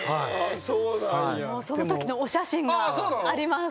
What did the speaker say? そのときのお写真があります。